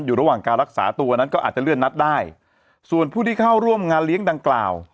อยู่ระหว่างการรักษาตัวนั้นก็อาจจะเลื่อนนัดได้ส่วนผู้ที่เข้าร่วมงานเลี้ยงดังกล่าว